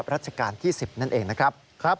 รัชกาลที่๑๐นั่นเองนะครับ